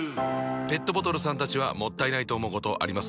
ペットボトルさんたちはもったいないと思うことあります？